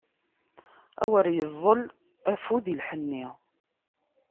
Awer iẓẓel afud i lḥenni!